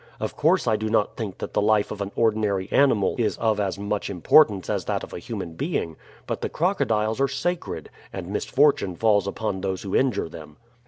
"Of course I do not think that the life of an ordinary animal is of as much importance as that of a human being; but the crocodiles are sacred, and misfortune falls upon those who injure them."